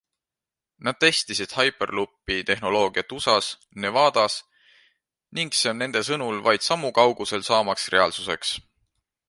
Nad testisid Hyperloopi tehnoloogiat USAs, Nevadas ning see on nende sõnul vaid sammu kaugusel saamaks reaalsuseks.